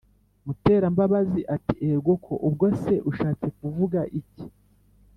Muterambabazi ati"egoko ubwose ushatse kuvuga iki?"